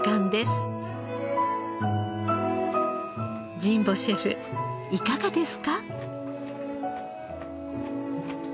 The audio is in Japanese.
神保シェフいかがですか？